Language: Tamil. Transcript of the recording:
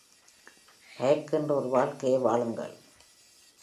மயக்குகின்ற ஒரு வாழ்க்கையை வாழுங்கள்